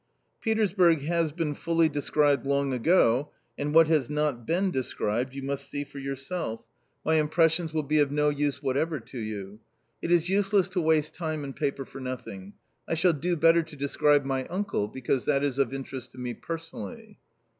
"Petersburg has been fully described long ago, and what has not been described you must see for yourself; D 50 A COMMON STORY my impressions will be of no use whatever to you. It is useless to waste time and paper for nothing. I shall do better to describe my uncle, because that is of interest to me personally